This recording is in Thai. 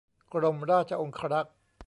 กรมราชองครักษ์